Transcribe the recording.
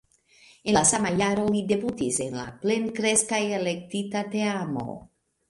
En la sama jaro li debutis en la plenkreska elektita teamo.